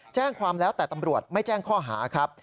แจ้งความแล้วแต่ตำรวจไม่แจ้งข้อหาครับ